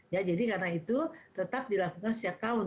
ya jadi karena itu tetap dilakukan setiap tahun